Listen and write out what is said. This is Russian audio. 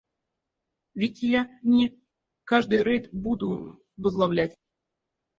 Ведь я не каждый рейд буду возглавлять.